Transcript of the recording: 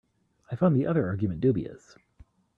I find the other argument dubious.